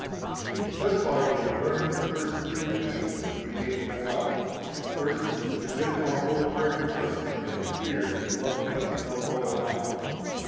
103 Thus far we have learned the first three commandments, which relate to God. First, that with our whole heart we trust in Him, and fear and love Him throughout all our life.